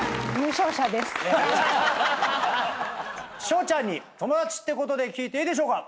ショウちゃんに友達ってことで聞いていいでしょうか？